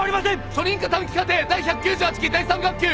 初任科短期課程第１９８期第３学級。